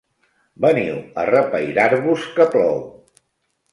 Veniu a repairar-vos, que plou.